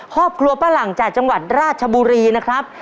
ครอบครัวป้าหลังจากจังหวัดราชบุรีนะครับ